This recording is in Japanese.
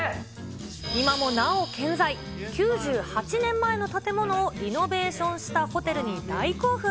今もなお健在、９８年前の建物をリノベーションしたホテルに大興奮。